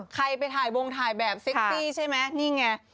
ใครไปถ่ายวงถ่ายแบบเซ็กซี่ใช่ไหมนี่ไง